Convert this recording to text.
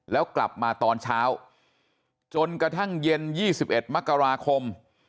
แล้วกลับมาตอนเช้าจนกระทั่งเย็น๒๑มกราคม